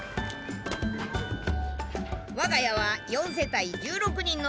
我が家は４世帯１６人の大家族。